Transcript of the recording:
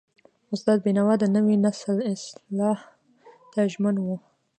استاد بینوا د نوي نسل اصلاح ته ژمن و.